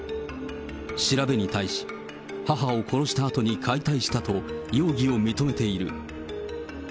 調べに対し、母を殺したあとに解体したと容疑を認めている。